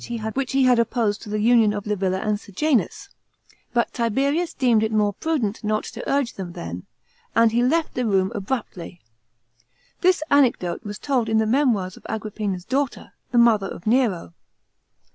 199 a step there were the same objections which he had opposed to the union ol Li villa and IS janus, but Tiberius deemed it more prudent n<>t to urge them then, and he left the room abruptly. This anecdote was told in the Memoirs of Agrippina's daughter, the mother of Nero.